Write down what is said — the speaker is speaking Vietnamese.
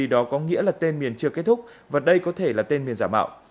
đó có nghĩa là tên miền chưa kết thúc và đây có thể là tên miền giả mạo